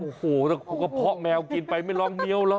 โอ้โหกระเพาะแมวกินไปไม่ร้องเมียวเหรอ